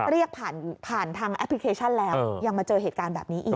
เรียกผ่านผ่านทางแอปพลิเคชันแล้วยังมาเจอเหตุการณ์แบบนี้อีก